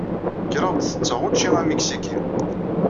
Kkreɣ-d setteɣ učči amiksiki.